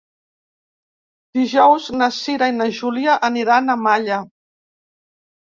Dijous na Cira i na Júlia aniran a Malla.